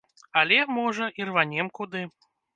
Але, можа, і рванем куды.